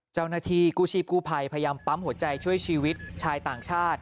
เจ้าหน้าที่กู้ชีพกู้ภัยพยายามปั๊มหัวใจช่วยชีวิตชายต่างชาติ